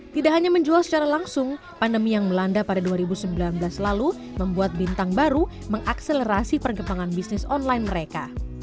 tidak hanya menjual secara langsung pandemi yang melanda pada dua ribu sembilan belas lalu membuat bintang baru mengakselerasi perkembangan bisnis online mereka